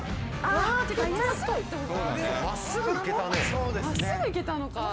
真っすぐ行けたね。